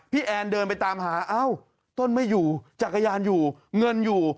แอนเดินไปตามหาเอ้าต้นไม่อยู่จักรยานอยู่เงินอยู่